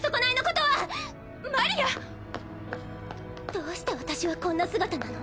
どうして私はこんな姿なの？